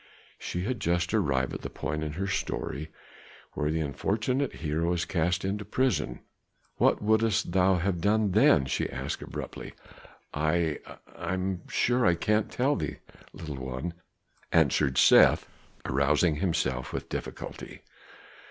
She had just arrived at the point in her story where the unfortunate hero is cast into prison. "What wouldst thou have done then?" she asked abruptly. "I I am sure I cannot tell thee, little one," answered Seth, rousing himself with difficulty.